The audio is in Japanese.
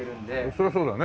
そりゃそうだよね。